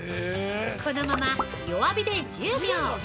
◆このまま弱火で、１０秒！